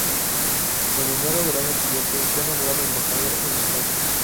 En enero del año siguiente fue nombrado embajador en España.